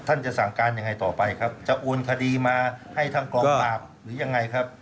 จะสั่งการยังไงต่อไปครับจะโอนคดีมาให้ทางกองปราบหรือยังไงครับ